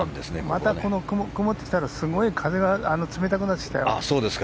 また曇ってきたからすごい風が冷たくなってきたよ。